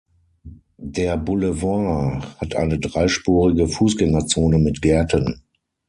Der Boulevard hat eine dreispurige Fußgängerzone mit Gärten.